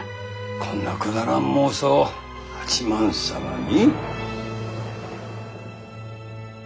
こんなくだらん妄想を八幡様に？